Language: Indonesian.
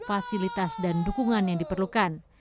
fasilitas dan dukungan yang diperlukan